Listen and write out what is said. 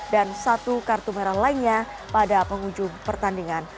dan satu kartu merah lainnya pada penghujung pertandingan